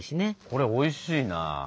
これおいしいな。